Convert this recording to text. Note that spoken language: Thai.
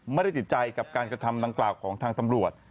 ไม่ได้ติดใจกับการกระทำดังกล่าวของทางตำรวจ